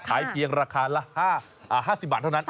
ขายเพียงราคาละ๕๐บาทเท่านั้น